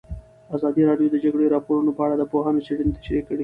ازادي راډیو د د جګړې راپورونه په اړه د پوهانو څېړنې تشریح کړې.